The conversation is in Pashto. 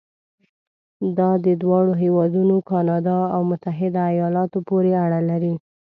دا د دواړو هېوادونو کانادا او متحده ایالاتو پورې اړه لري.